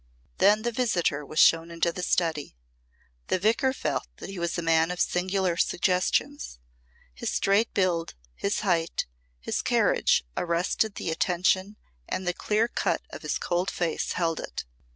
Then the visitor was shown into the study. The Vicar felt that he was a man of singular suggestions. His straight build, his height, his carriage arrested the attention and the clear cut of his cold face held it.